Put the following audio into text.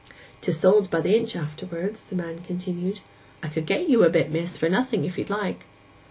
''Tis sold by the inch afterwards,' the man continued. 'I could get you a bit, miss, for nothing, if you'd like?